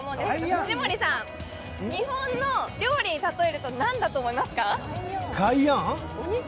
藤森さん、日本の料理に例えると何だと思いますか？